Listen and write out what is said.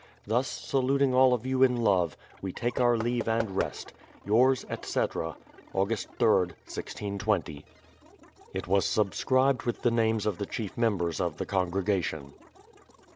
Thus saluting all of you in love, we take our leave and rest, Yours, etc. Aug. 3r d, 1620. It was subscribed witli the names of the chief members of the congregation.